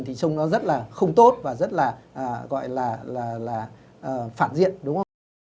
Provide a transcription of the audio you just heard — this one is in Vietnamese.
thì trông nó rất là không tốt và rất là gọi là phản diện đúng không ạ